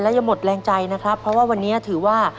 เพราะว่าวันนี้ถือว่า